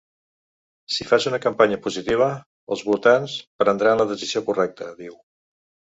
Si fas una campanya positiva, els votants prendran la decisió correcta, diu.